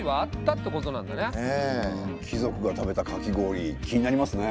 貴族が食べたかき氷気になりますね。